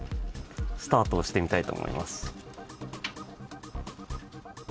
スタートしてみたいと思います。